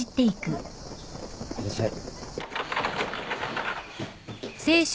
いってらっしゃい。